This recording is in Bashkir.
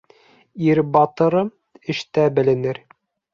Ир батыры эштә беленер.